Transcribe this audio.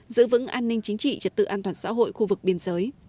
giữ vững an ninh chính trị trật tự an toàn xã hội khu vực biên giới